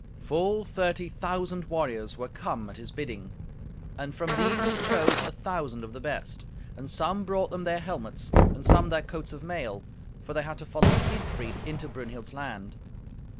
Full thirty thousand warriors were come at his bidding, and from these he chose a thousand of the best. And some brought them their helmets, and some their coats of mail, for they had to follow Siegfried into Brunhild's land.